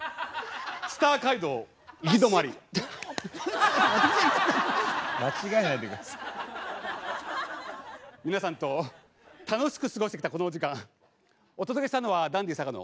スター街道皆さんと楽しく過ごしてきたこのお時間お届けしたのはダンディ坂野。